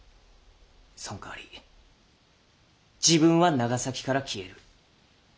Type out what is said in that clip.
そんかわり自分は長崎から消える。